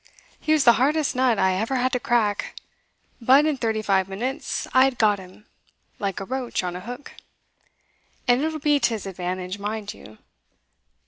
He was the hardest nut I ever had to crack, but in thirty five minutes I'd got him like a roach on a hook. And it'll be to his advantage, mind you.